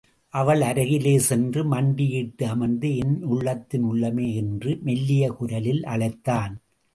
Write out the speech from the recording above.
அவள் அருகிலே சென்று மண்டியிட்டு அமர்ந்து, என் உள்ளத்தின் உள்ளமே. என்று மெல்லிய குரலில் அழைத்தான்.